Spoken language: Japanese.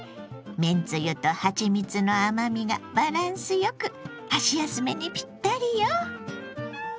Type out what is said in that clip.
めんつゆとはちみつの甘みがバランスよく箸休めにぴったりよ。